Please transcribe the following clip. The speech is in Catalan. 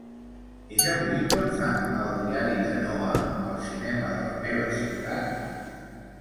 És avui quan fan "El diari de Noa" al cinema de la meva ciutat?